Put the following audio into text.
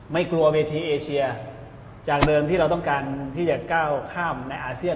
ไม่กลัวเวทีเอเชียจากเดิมที่เราต้องการที่จะก้าวข้ามในอาเซียน